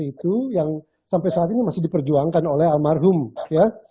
itu yang sampai saat ini masih diperjuangkan oleh almarhum ya